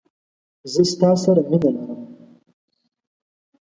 زه ستا سره مينه لرم.